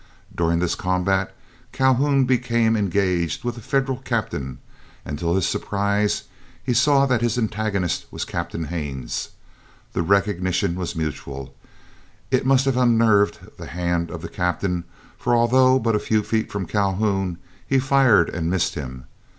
During this combat Calhoun became engaged with a Federal captain, and to his surprise he saw that his antagonist was Captain Haines. The recognition was mutual, and it must have unnerved the hand of the Captain, for although but a few feet from Calhoun, he fired and missed him.